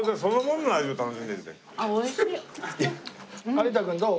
有田君どう？